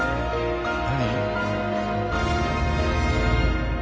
何？